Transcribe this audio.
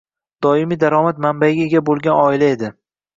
Doimiy daromad manbayiga ega bo‘lgan oila edi.